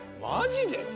マジで？